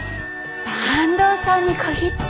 坂東さんに限って。